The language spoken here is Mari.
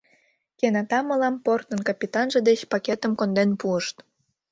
Кенета мылам портын капитанже деч пакетым конден пуышт.